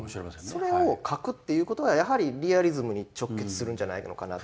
それを書くっていうことはやはりリアリズムに直結するんじゃないのかな。